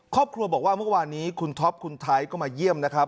ครอบครัวบอกว่าเมื่อวานนี้คุณท็อปคุณไทยก็มาเยี่ยมนะครับ